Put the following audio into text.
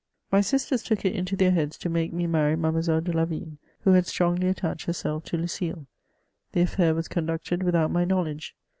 My sisters took it into their heads to make me marry Made moiselle de Layigne, who had strongly attached herself to Lucile. The alBur was conducted without my knowledge.